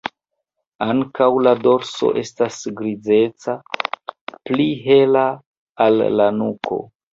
Ankaŭ la dorso estas grizeca, pli hela al la nuko.